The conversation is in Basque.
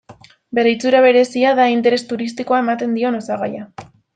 Bere itxura berezia da interes turistikoa ematen dion osagaia.